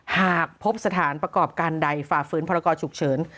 หากพบสถานประกอบการใดฝ่าฝืนพรกรฉุกเฉิน